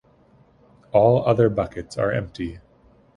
All other buckets are empty.